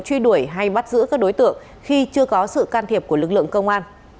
truy đuổi hay bắt giữ các đối tượng khi chưa có sự can thiệp của lực lượng công an